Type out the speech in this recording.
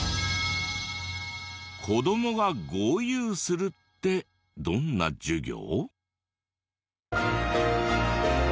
子どもが豪遊するってどんな授業？